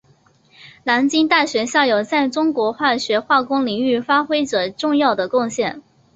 南京大学校友在中国化学化工领域发挥着重要的贡献。